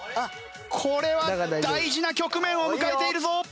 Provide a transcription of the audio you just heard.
これは大事な局面を迎えているぞ！